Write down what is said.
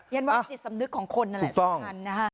ฉันว่าจิตสำนึกของคนนั่นแหละสำคัญนะฮะ